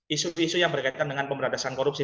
isu isu yang berkaitan dengan pemberantasan korupsi